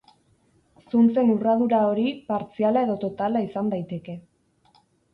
Zuntzen urradura hori partziala edo totala izan daiteke.